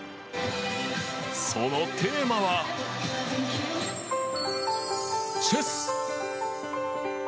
そのテーマはチェス。